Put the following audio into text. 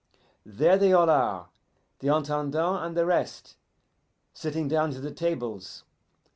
There they all are, the Intendant and the rest, sitting down to the tables.